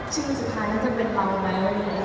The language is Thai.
ชื่อสุดท้ายก็จะเป็นเราไหม